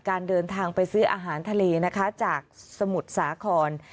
การเดินทางไปซื้ออาหารทะเลนะคะจากสมุทรสาคร